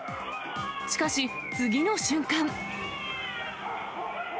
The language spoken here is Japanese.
しかし、次の瞬間。